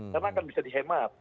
karena akan bisa dihemat